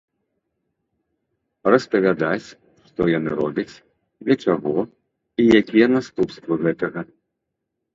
Распавядаць, што яны робяць, для чаго і якія наступствы гэтага.